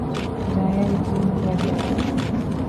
ޒާޔާގެ ކުރިމަގު އަދި އޮތީ